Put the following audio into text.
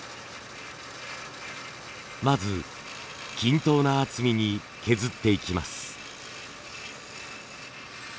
まず均等な厚みに削っていきます。